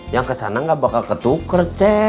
yang ke sana tidak akan ketuker